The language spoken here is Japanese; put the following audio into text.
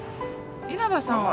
稲葉さんは。